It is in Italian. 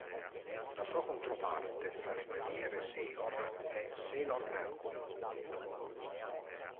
La sua controparte fra le guerriere sailor è Sailor Mercury.